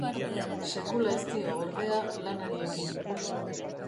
Sekula ez dio, ordea, lanari ekin.